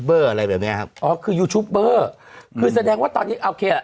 อะไรแบบเนี้ยครับอ๋อคือคือแสดงว่าตอนนี้อะโอเคอะ